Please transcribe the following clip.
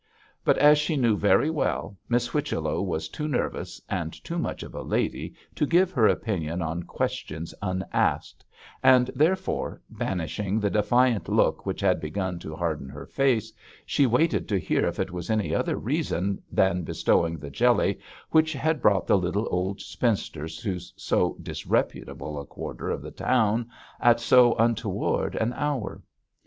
But, as she knew very well, Miss Whichello was too nervous and too much of a lady to give her opinion on questions unasked, and therefore, banishing the defiant look which had begun to harden her face, she waited to hear if it was any other reason than bestowing the jelly which had brought the little old spinster to so disreputable a quarter of the town at so untoward an hour.